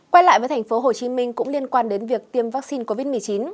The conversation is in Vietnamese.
quay lại với thành phố hồ chí minh cũng liên quan đến việc tiêm vaccine covid một mươi chín